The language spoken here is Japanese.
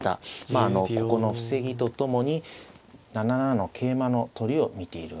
まあここの防ぎとともに７七の桂馬の取りを見ているわけですね。